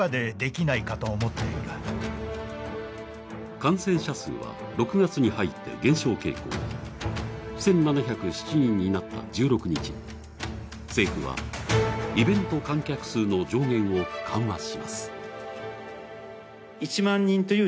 感染者数は６月に入って減少傾向１７０７人になった１６日、政府はイベント観客数の上限を緩和します。